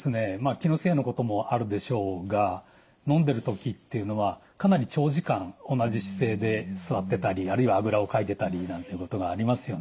気のせいのこともあるでしょうが飲んでる時っていうのはかなり長時間同じ姿勢で座ってたりあるいはあぐらをかいてたりなんていうことがありますよね。